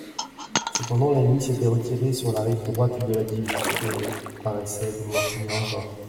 Cependant l'ennemi s'était retiré sur la rive droite de l'Adige, et paraissait vouloir tenir encore.